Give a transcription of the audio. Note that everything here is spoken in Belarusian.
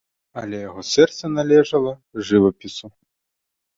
Але яго сэрца належала жывапісу.